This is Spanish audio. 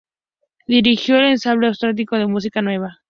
Dirigió el Ensemble Austriaco de Música Nueva.